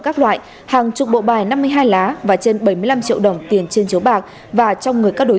các loại hàng chục bộ bài năm mươi hai lá và trên bảy mươi năm triệu đồng tiền trên chiếu bạc và trong người các đối